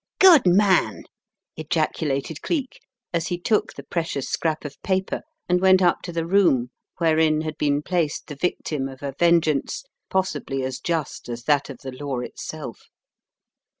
"Good man," ejaculated Cleek, as he took the precious scrap of paper, and went up to the room wherein had been placed the victim of a vengeance, possibly as just as that of the law itself.